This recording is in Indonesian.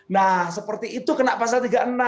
nah seperti itu kena pasal tiga puluh enam